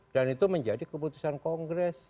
dan itu menjadi keputusan kongres